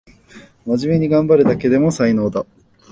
まじめにがんばるだけでも才能だ